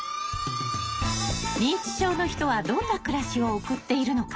認知症の人はどんな暮らしを送っているのか。